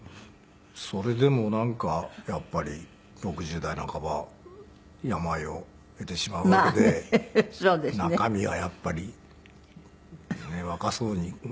それでもなんかやっぱり６０代半ば病を得てしまうわけで中身はやっぱり若そうに。